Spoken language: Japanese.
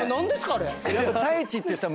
あれ。